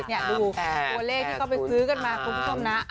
นี่ดูตัวเลขที่เขาไปซื้อกันมาคุณผู้ชมนะ